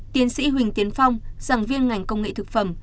tiến sĩ huỳnh tiến phong giảng viên ngành công nghệ thực phẩm